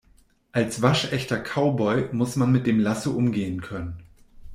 Als waschechter Cowboy muss man mit dem Lasso umgehen können.